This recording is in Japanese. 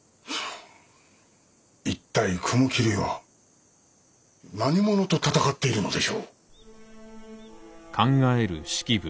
一体雲霧は何者と戦っているのでしょう？